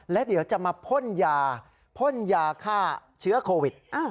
และเดี๋ยวจะมาพ่นยาพ่นยาฆ่าเชื้อโควิด